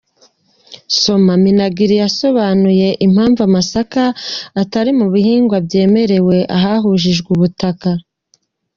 Soma:Minagri yasobanuye impamvu amasaka atari mu bihingwa byemewe ahahujwe ubutaka.